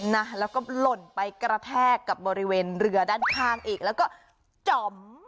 นะแล้วก็หล่นไปกระแทกกับบริเวณเรือด้านข้างอีกแล้วก็จ่อม